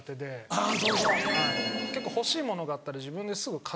あぁ！